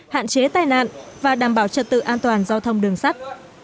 hạn chế tai nạn và đảm bảo trật tự an toàn giao thông đường sắt